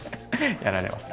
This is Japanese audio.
やられます。